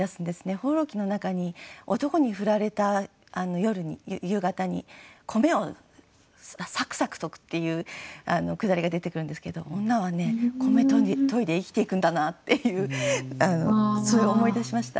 「放浪記」の中に男に振られた夕方に米をサクサクとぐっていうくだりが出てくるんですけど女は米といで生きていくんだなっていうそれを思い出しました。